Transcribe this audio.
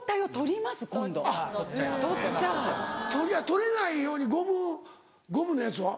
取れないようにゴムのやつは？